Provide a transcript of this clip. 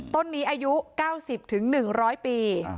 ต้นนี้อายุ๙๐๑๐๐ปี